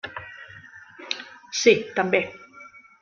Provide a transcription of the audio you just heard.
Sí, també.